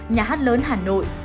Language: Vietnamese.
nhà hát lớn hà nội